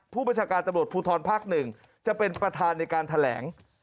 ผู้บัญชาการตำรวจภูทรภาค๑จะเป็นประธานในการแถลง